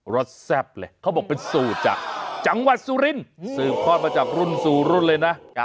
สแซ่บเลยเขาบอกเป็นสูตรจากจังหวัดสุรินทร์สืบทอดมาจากรุ่นสู่รุ่นเลยนะ